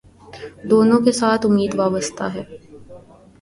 دونوں کے ساتھ امید وابستہ ہے